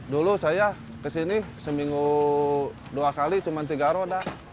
dulu saya kesini seminggu dua kali cuma tiga roda